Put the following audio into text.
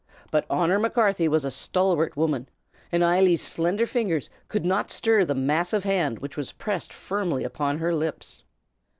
But Honor Macarthy was a stalwart woman, and Eily's slender fingers could not stir the massive hand which was pressed firmly upon her lips.